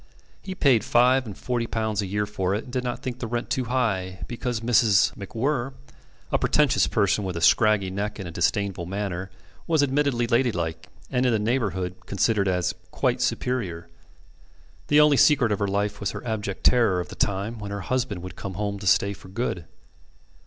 He paid five and forty pounds a year for it, and did not think the rent too high, because Mrs. MacWhirr (a pretentious person with a scraggy neck and a disdainful manner) was admittedly ladylike, and in the neighbourhood considered as "quite superior." The only secret of her life was her abject terror of the time when her husband would come home to stay for good.